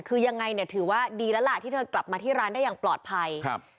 คือยังไงเนี่ยถือว่าดีแล้วล่ะที่เธอกลับมาที่ร้านได้อย่างปลอดภัยครับ